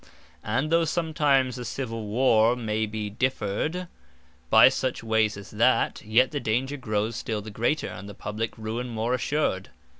And though sometimes a Civill warre, may be differred, by such wayes as that, yet the danger growes still the greater, and the Publique ruine more assured.